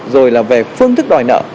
rồi là về phương thức đòi nợ